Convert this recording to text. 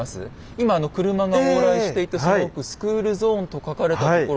今あの車が往来していたその奥「スクールゾーン」と書かれたところ。